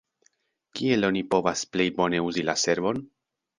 Kiel oni povas plej bone uzi la servon?